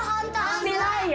してないよ。